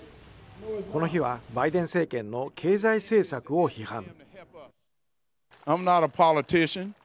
この日は、バイデン政権の経済政策を批判。